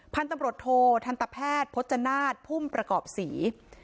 พันธุ์ตำรวจโททันตแพทย์พจนาศพุ่มประกอบศรี